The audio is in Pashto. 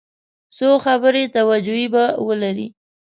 څو خبري توجیې به ولري.